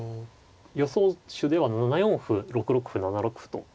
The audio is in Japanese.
予想手では７四歩６六歩７六歩と。